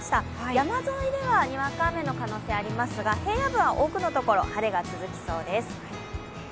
山沿いでは、にわか雨の可能性がありますが平野部は多くのところ、晴れが続きそうです。